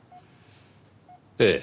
ええ。